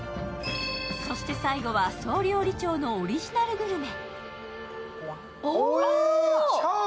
そして最後は総料理長のオリジナルグルメ。